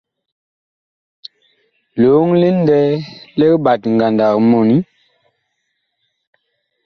Lioŋ li ŋlɛɛ lig ɓat ngandag mɔni.